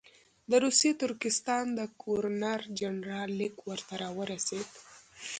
د روسي ترکستان د ګورنر جنرال لیک ورته راورسېد.